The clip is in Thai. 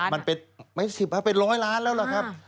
ไม่เป็น๑๐เป็น๑๐๐ล้านแล้วครับ